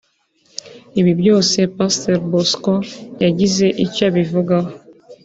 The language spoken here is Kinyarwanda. Ibi byose Pastor Bosco yagize icyo abivugaho